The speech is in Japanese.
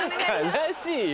悲しいよ。